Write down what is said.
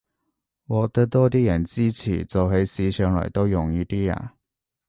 獲得多啲人支持，做起事上來都容易啲吖